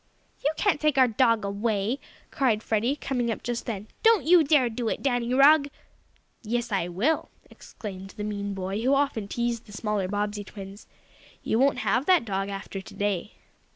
"You can't take our dog away!" cried Freddie, coming up just then. "Don't you dare do it, Danny Rugg." "Yes, I will!" exclaimed the mean boy, who often teased the smaller Bobbsey twins. "You won't have that dog after today."